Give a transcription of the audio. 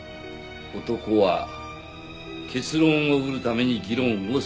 男は結論を得るために議論をする。